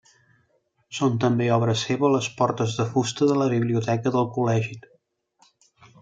Són també obra seva les portes de fusta de la biblioteca del col·legi.